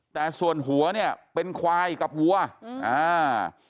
แต่ส่วนหัวเนี่ยเป็นควายกับวัวอืมอ่า